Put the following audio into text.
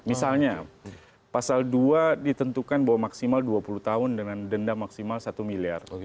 misalnya pasal dua ditentukan bahwa maksimal dua puluh tahun dengan denda maksimal satu miliar